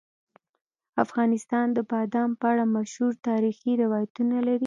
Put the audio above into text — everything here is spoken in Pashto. افغانستان د بادام په اړه مشهور تاریخی روایتونه لري.